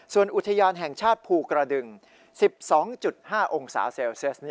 ส่วนอุทยานแห่งชาติภูกระดึง๑๒๕องศาเซลเซียส